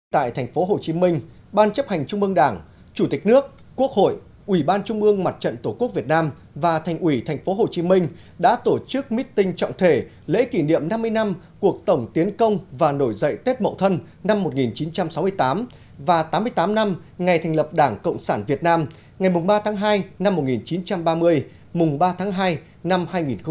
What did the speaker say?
tại tp hcm ban chấp hành trung mương đảng chủ tịch nước quốc hội ủy ban trung mương mặt trận tổ quốc việt nam và thành ủy tp hcm đã tổ chức meeting trọng thể lễ kỷ niệm năm mươi năm cuộc tổng tiến công và nổi dậy tết mậu thân năm một nghìn chín trăm sáu mươi tám và tám mươi tám năm ngày thành lập đảng cộng sản việt nam ngày ba tháng hai năm một nghìn chín trăm ba mươi mùng ba tháng hai năm hai nghìn một mươi tám